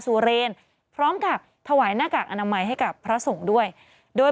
เรนพร้อมกับถวายหน้ากากอนามัยให้กับพระสงฆ์ด้วยโดย